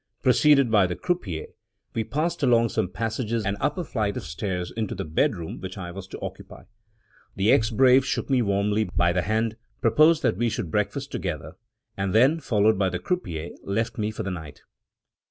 Preceded by the croupier, we passed along some passages and up a flight of stairs into the bedroom which I was to occupy. The ex brave shook me warmly by the hand, proposed that we should breakfast together, and then, followed by the croupier, left me for the night.